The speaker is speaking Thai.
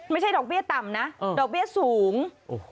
ไม่ใช่ดอกเบี้ยต่ำนะดอกเบี้ยสูง